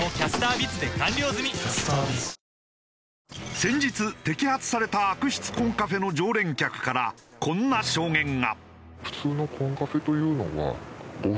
先日摘発された悪質コンカフェの常連客からこんな証言が。